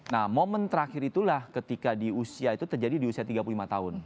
nah momen terakhir itulah ketika di usia itu terjadi di usia tiga puluh lima tahun